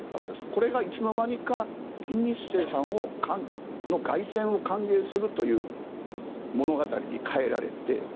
これがいつの間にか金日成の凱旋を歓迎するというものにそういう物語に変えられて。